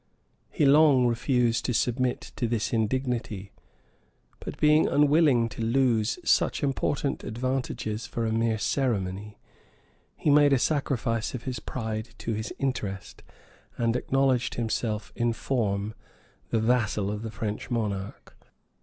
He long refused to submit to this indignity; but, being unwilling to lose such important advantages for a mere ceremony, he made a sacrifice of his pride to his interest, and acknowledged himself, in form, the vassal of the French monarch.